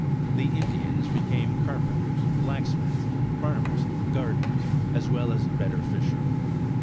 The Indians became carpenters, blacksmiths, farmers, gardeners, as well as better fishermen.